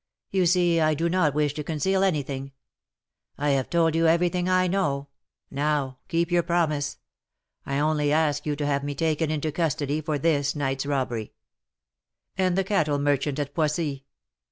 You see I do not wish to conceal anything, I have told you everything I know. Now keep your promise. I only ask you to have me taken into custody for this night's robbery." "And the cattle merchant at Poissy?"